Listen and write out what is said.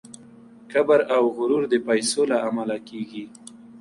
کبر او غرور د پیسو له امله کیږي.